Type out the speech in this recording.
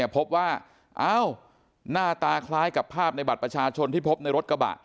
พบว่าหน้าตาคล้ายกับภาพในบัตรประชาชนที่พบในรถกระบะ